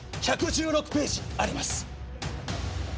１１６ページあります。